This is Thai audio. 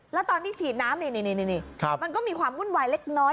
แล้วตอนที่ฉีดน้ำนี่มันก็มีความวุ่นวายเล็กน้อย